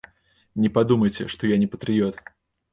Не падумайце, што я не патрыёт.